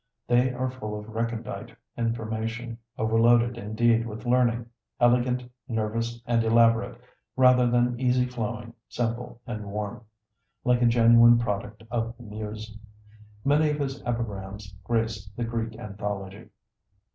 They are full of recondite information, overloaded indeed with learning; elegant, nervous, and elaborate, rather than easy flowing, simple, and warm, like a genuine product of the muse. Many of his epigrams grace the 'Greek Anthology.'